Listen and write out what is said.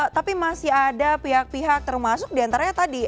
tapi masih ada pihak pihak termasuk diantaranya tadi